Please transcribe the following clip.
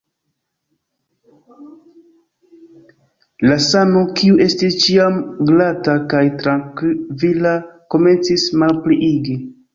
La sano, kiu estis ĉiam glata kaj trankvila, komencis malpliigi.